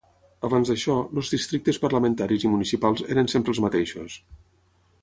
Abans d'això, els districtes parlamentaris i municipals eren sempre els mateixos.